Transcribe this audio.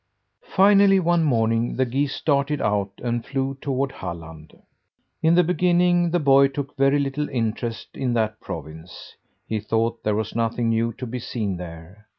Finally, one morning, the geese started out and flew toward Halland. In the beginning the boy took very little interest in that province. He thought there was nothing new to be seen there.